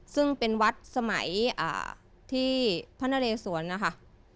ซึ่งเป็นวัดสมัยที่พระนเรศวรนะคะ